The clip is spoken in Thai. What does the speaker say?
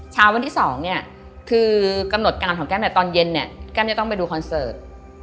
เช้าวันที่๒คือกำหนดการณ์ของแก้มตอนเย็นแก้มจะต้องไปดูคอนเสิร์ต